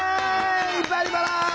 「バリバラ」！